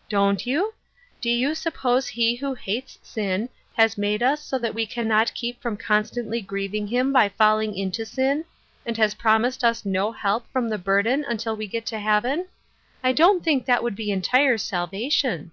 " Don't you ? Do you suppose he who hates sin has made us so that we can not keep from constantly grieving him by falling into sin, and has promised us no help from the burden until we get to heaven ? I don't think that would be entire salvation."